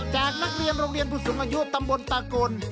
จากนักเรียนโรงเรียนผู้สูงอายุตำบลตากล